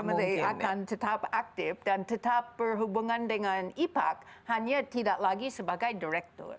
saya menurut saya akan tetap aktif dan tetap berhubungan dengan ipac hanya tidak lagi sebagai direktur